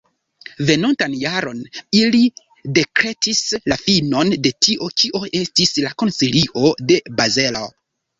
Venontan jaron, ili dekretis la finon de tio kio estis la Koncilio de Bazelo.